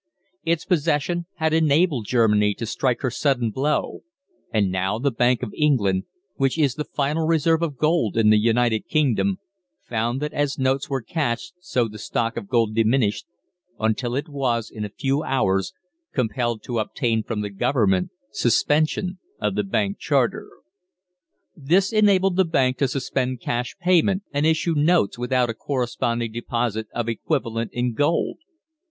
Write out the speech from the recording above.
Its possession had enabled Germany to strike her sudden blow, and now the Bank of England, which is the final reserve of gold in the United Kingdom, found that as notes were cashed so the stock of gold diminished until it was in a few hours compelled to obtain from the Government suspension of the Bank charter. This enabled the Bank to suspend cash payment, and issue notes without a corresponding deposit of the equivalent in gold.